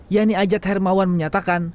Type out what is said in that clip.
yani ajat hermawan menyatakan